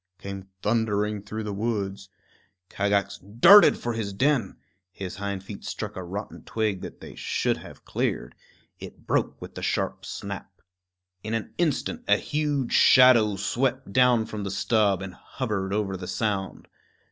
came thundering through the woods. Kagax darted for his den. His hind feet struck a rotten twig that they should have cleared; it broke with a sharp snap. In an instant a huge shadow swept down from the stub and hovered over the sound.